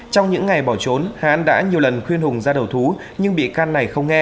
trong những ngày bỏ trốn hán đã nhiều lần khuyên hùng ra đầu thú nhưng bị can này không nghe